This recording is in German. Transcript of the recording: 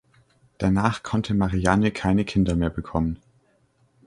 Danach konnte Marianne keine Kinder mehr bekommen.